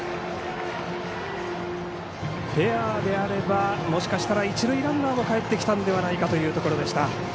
フェアであれば、もしかしたら一塁ランナーもかえってきたのではないかというところでした。